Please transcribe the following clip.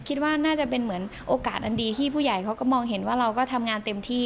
คิดว่าน่าจะเป็นเหมือนโอกาสอันดีที่ผู้ใหญ่เขาก็มองเห็นว่าเราก็ทำงานเต็มที่